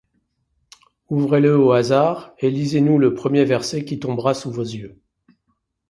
Ouvrez au hasard, et lisez-nous le premier verset qui tombera sous vos yeux.